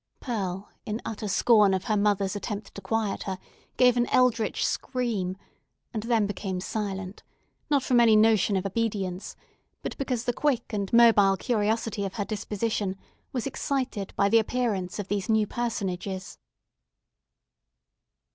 Pearl, in utter scorn of her mother's attempt to quiet her, gave an eldritch scream, and then became silent, not from any notion of obedience, but because the quick and mobile curiosity of her disposition was excited by the appearance of those new personages.